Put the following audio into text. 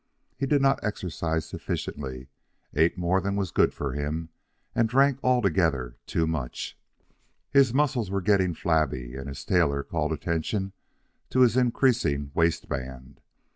He did not exercise sufficiently, ate more than was good for him, and drank altogether too much. His muscles were getting flabby, and his tailor called attention to his increasing waistband.